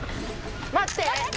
待って！